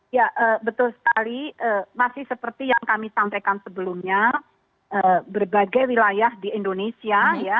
ya betul sekali masih seperti yang kami sampaikan sebelumnya berbagai wilayah di indonesia